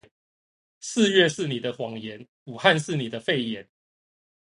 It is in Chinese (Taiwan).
四月是你的謊言，武漢是你的肺炎